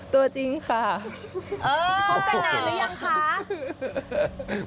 ตัวจริงค่ะเข้ากระหนักหรือยังคะ